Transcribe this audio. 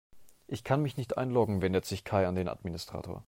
Ich kann mich nicht einloggen, wendet sich Kai an den Administrator.